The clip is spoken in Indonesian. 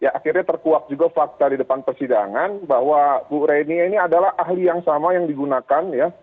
akhirnya terkuak juga fakta di depan persidangan bahwa bu reni ini adalah ahli yang sama yang digunakan ya